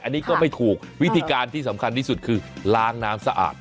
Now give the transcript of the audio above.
อันนี้ก็ไม่ถูกวิธีการที่สำคัญที่สุดคือล้างน้ำสะอาด